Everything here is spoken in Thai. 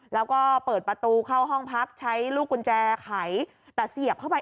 แล้วก็เปิดประตูเข้าห้องพักใช้ลูกกุญแจไขแต่เสียบเข้าไป